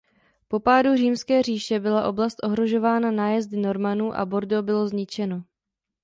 Po pádu Římské říše byla oblast ohrožována nájezdy Normanů a Bordeaux bylo zničeno.